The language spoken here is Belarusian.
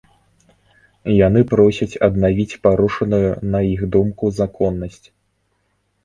Яны просяць аднавіць парушаную, на іх думку, законнасць.